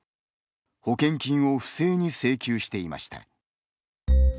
保険金を不正に請求していました。